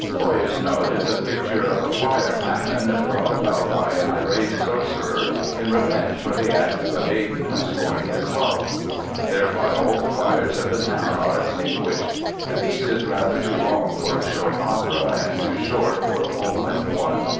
Feuersnot is a picture of a "fire famine" brought about by an irate sorcerer in revenge for the act of a maiden who scorned his love. Thereby all the fires of the town are extinguished! The piece is rather too long for a short opera and too short for a full length one.